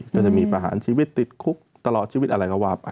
ก็จะมีประหารชีวิตติดคุกตลอดชีวิตอะไรก็ว่าไป